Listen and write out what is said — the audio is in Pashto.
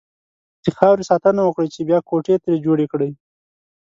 د خاورې ساتنه وکړئ! چې بيا کوټې ترې جوړې کړئ.